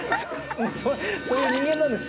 そういう人間なんです。